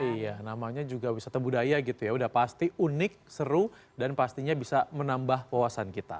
iya namanya juga wisata budaya gitu ya udah pasti unik seru dan pastinya bisa menambah wawasan kita